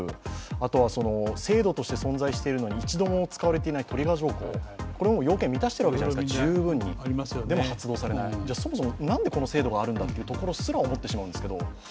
あとは制度として存在しているのに一度も使われていないトリガー条項、十分満たしているじゃないですか、でも発動されない、そもそもなんで、この制度があるのかすら思ってしまうんですけど。